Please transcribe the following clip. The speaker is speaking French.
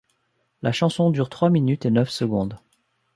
La chanson dure trois minutes et neuf secondes.